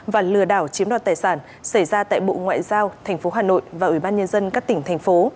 và lừa đảo chiếm đoạt tài sản xảy ra tại bộ ngoại giao tp hà nội và ủy ban nhân dân các tỉnh thành phố